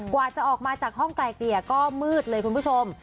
กว่าจะออกมาจากห้องไกลเกลี่ยก็มืดเลยคุณผู้ชม